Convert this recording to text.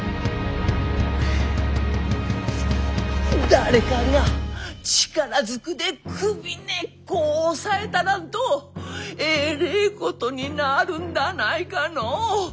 誰かが力ずくで首根っこを押さえたらんとえれえことになるんだないかのう。